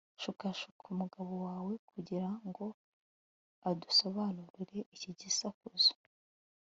shukashuka umugabo wawe kugira ngo adusobanurire iki gisakuzo